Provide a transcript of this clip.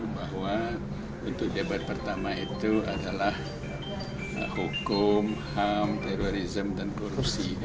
bahwa untuk debat pertama itu adalah hukum ham terorisme dan korupsi